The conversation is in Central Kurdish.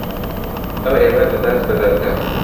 ئەو ئێمە دەدات بە دادگا.